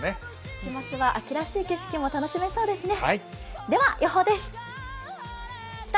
週末は秋らしい景色も楽しめそうですね。